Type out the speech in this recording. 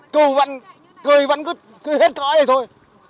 cầu vẫn cười hết cõi thôi